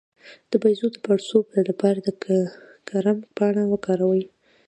د بیضو د پړسوب لپاره د کرم پاڼه وکاروئ